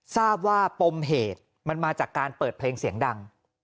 ทราบว่าปมเหตุมันมาจากการเปิดเพลงเสียงดัง